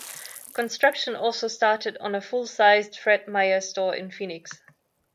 Construction also started on a full sized Fred Meyer store in Phoenix.